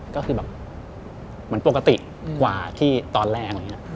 ก็คือแบบเหมือนปกติกว่าที่ตอนแรก